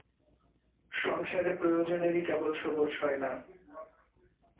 সংসারে প্রয়োজনেরই কেবল সবুর সয় না!